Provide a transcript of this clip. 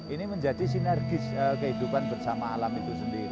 ini menjadi sinergis kehidupan bersama alam itu sendiri